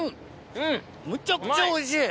むちゃくちゃおいしい！